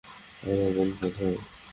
আমার বোন কোথায়?